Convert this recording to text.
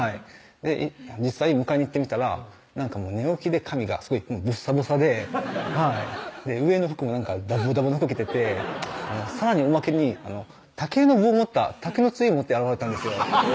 実際迎えに行ってみたらなんか寝起きで髪がすごいボッサボサで上の服もダボダボの服着ててさらにおまけに竹のつえ持って現れたんですよ